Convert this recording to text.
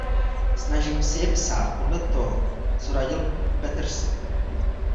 Snažím se si je psát podle toho, co radil Peterson.